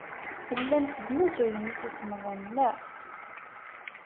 Tellam tesnuzuyem imsisemḍen, naɣ?